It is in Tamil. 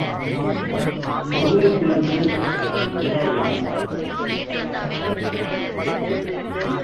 உருளைக் கிழங்கு கிலோ என்னப்பா...?